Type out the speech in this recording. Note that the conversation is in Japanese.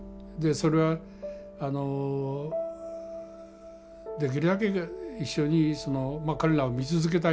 それはできるだけ一緒に彼らを見続けたい。